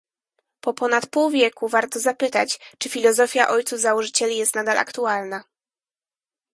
Po ponad pół wieku warto zapytać, czy filozofia ojców założycieli jest nadal aktualna